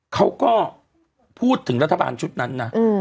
เขาก็พูดถึงรัฐบาลชุดนั้นนะ